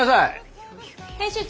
編集長！